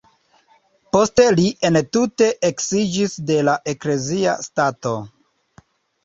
Poste li entute eksiĝis de la eklezia stato.